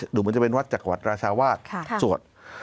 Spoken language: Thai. อันนี้ดูมันจะเป็นวัดจักรวรรชาวาสสวด